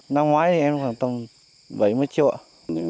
năm ngoái em khoảng tầm bảy mươi triệu